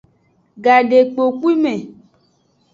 Gadekpokpwime.